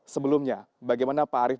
sebelumnya bagaimana pak arief